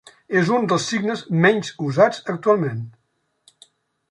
És un dels signes menys usats actualment.